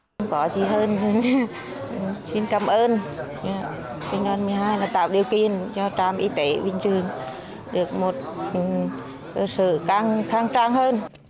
không có gì hơn xin cảm ơn binh đoàn một mươi hai đã tạo điều kiện